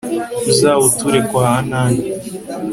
uzawuture kwa ani